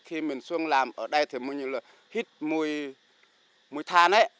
khi mình xuống làm ở đây thì môi trường hít mùi than ấy